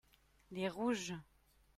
les rouges.